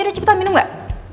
udah cepetan minum gak